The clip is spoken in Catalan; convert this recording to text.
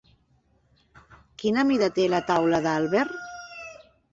Quina mida té la taula d'àlber?